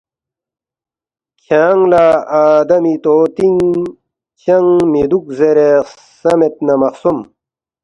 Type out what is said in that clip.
کھیانگ لہ آدمی طوطِنگ چنگ مِہ دُوک زیرے خسمید نہ مہ خسوم